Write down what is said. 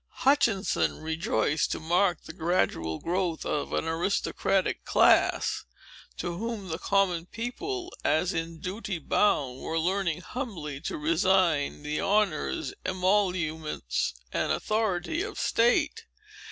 Hutchinson rejoiced to mark the gradual growth of an aristocratic class, to whom the common people, as in duty bound, were learning humbly to resign the honors, emoluments, and authority of state.